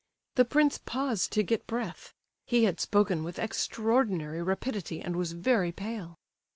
The prince paused to get breath. He had spoken with extraordinary rapidity, and was very pale.